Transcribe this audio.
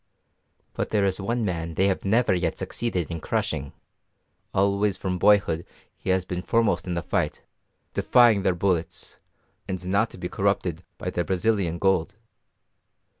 But there is one man they have never yet succeeded in crushing: always from boyhood he has been foremost in the fight, defying their bullets, and not to be corrupted by their Brazilian gold.